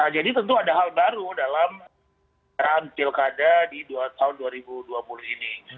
jadi tentu ada hal baru dalam daerah daerah pilkada di tahun dua ribu dua puluh ini